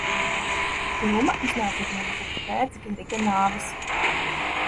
Filma iznāca vienu gadu pēc Geriga nāves.